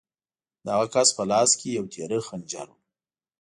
د هغه کس په لاس کې یو تېره خنجر و